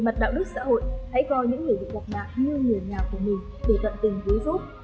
mặt đạo đức xã hội hãy coi những người bị bọc nạn như người nhà của mình để tận tình cứu giúp